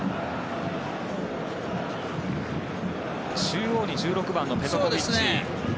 中央に１６番のペトコビッチ。